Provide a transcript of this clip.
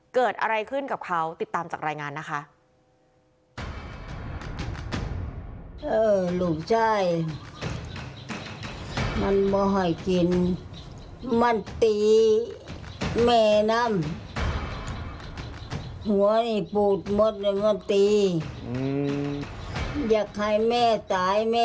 เกิดอะไรขึ้นกับเขาติดตามจากรายงานนะคะ